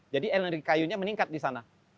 jadi energi kayunya meningkat di sana